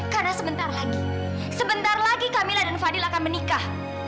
karena sebentar lagi sebentar lagi kamila dan fadil akan menikah